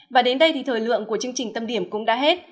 và đến đây thì thời lượng của chương trình tâm điểm cũng đã hết